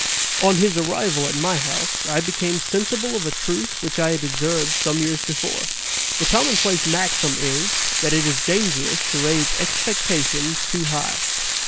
On his arrival at my house, I became sensible of a truth which I had observed some years before. The commonplace maxim is, that it is dangerous to raise expectations too high.